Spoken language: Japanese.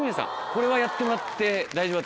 これはやってもらって大丈夫？